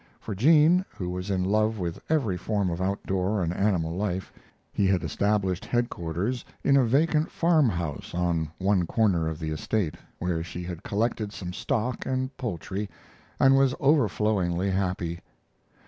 For Jean, who was in love with every form of outdoor and animal life, he had established headquarters in a vacant farm house on one corner of the estate, where she had collected some stock and poultry, and was over flowingly happy.